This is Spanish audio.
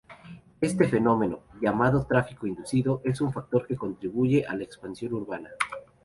Este fenómeno, llamado tráfico inducido, es un factor que contribuye a la expansión urbana.